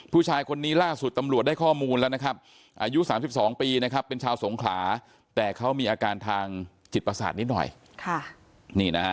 ผู้ชายคนนี้ล่าสุดตำรวจได้ข้อมูลแล้วนะครับอายุ๓๒ปีนะครับเป็นชาวสงขลาแต่เขามีอาการทางจิตประสาทนิดหน่อย